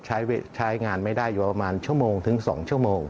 ใช้งานไม่ได้อยู่ประมาณชั่วโมงถึง๒ชั่วโมง